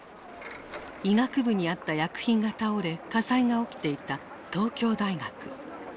医学部にあった薬品が倒れ火災が起きていた東京大学。